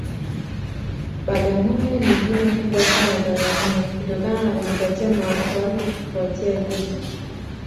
Bagamoyo ni jina kubwa sana Tanzania kutokana na kujipatia umaarufu wake kufuatia vitu